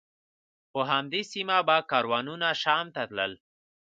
په همدې سیمه به کاروانونه شام ته تلل.